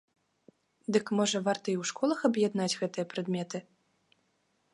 Дык, можа, варта і ў школах аб'яднаць гэтыя прадметы?